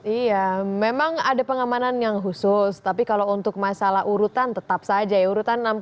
iya memang ada pengamanan yang khusus tapi kalau untuk masalah urutan tetap saja ya urutan enam puluh tiga dan juga enam puluh empat untuk